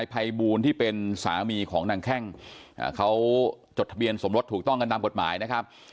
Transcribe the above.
ภัยบูลที่เป็นสามีของนางแข้งเขาจดทะเบียนสมรสถูกต้องกันตามกฎหมายนะครับ